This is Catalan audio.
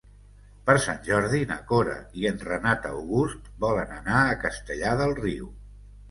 Per Sant Jordi na Cora i en Renat August volen anar a Castellar del Riu.